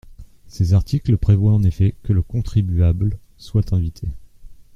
Ces articles prévoient en effet que le contribuable soit invité.